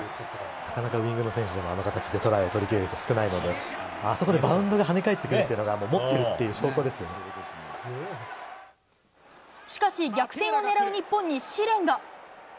なかなかウイングの選手でもあの形で取れる人が少ないので、あそこでバウンドが少ないので、はね返ってくるっていうのが、しかし、逆転を狙う日本に試練が。